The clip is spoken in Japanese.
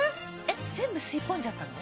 えっ全部吸い込んじゃったの？